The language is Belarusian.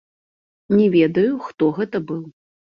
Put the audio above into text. Не ведаю, хто гэта быў.